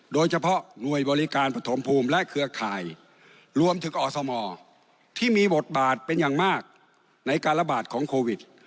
โดยเฉพาะหน่วยบริการปฐมภูมิและเครือข่ายรวมถึงอสมที่มีบทบาทเป็นอย่างมากในการระบาดของโควิด